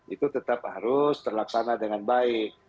itu tetap harus terlaksana dengan baik